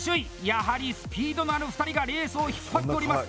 やはりスピードのある２人がレースを引っ張っております。